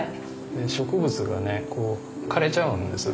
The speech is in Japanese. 植物がね枯れちゃうんです